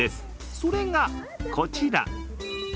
それがこちら。